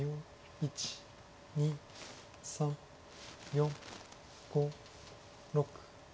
１２３４５６。